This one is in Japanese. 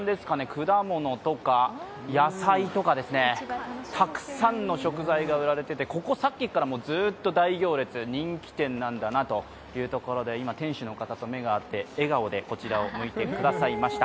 果物とか野菜とかですね、たくさんの食材が売られててここ、さっきからずっと大行列、人気店なんだなというところで、今、店主の方と目が合って、笑顔でこちらを向いてくださいました。